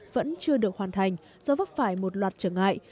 vẫn chưa được hoàn thành do vấp phải một loạt trở ngại